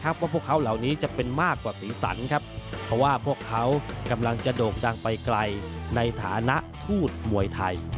ว่าพวกเขาเหล่านี้จะเป็นมากกว่าสีสันครับเพราะว่าพวกเขากำลังจะโด่งดังไปไกลในฐานะทูตมวยไทย